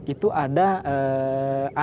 itu ada anak